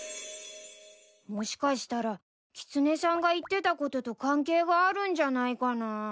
もしかしたらキツネさんが言ってたことと関係があるんじゃないかな？